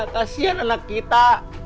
kasian anak kita